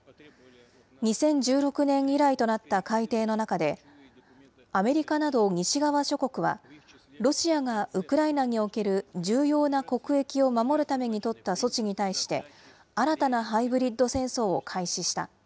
２０１６年以来となった改定の中で、アメリカなど西側諸国は、ロシアがウクライナにおける重要な国益を守るために取った措置に対して、新たなハイブリッド戦争を開始した。